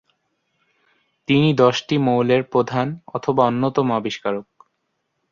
তিনি দশটি মৌলের প্রধান অথবা অন্যতম আবিষ্কারক।